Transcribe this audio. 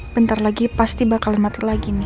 bentar lagi pasti bakal mati lagi nih